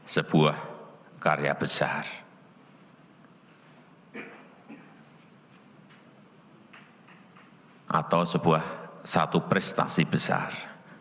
sebuah karya besar atau sebuah satu prestasi besar